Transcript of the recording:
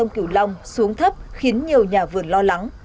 sông cửu long xuống thấp khiến nhiều nhà vườn lo lắng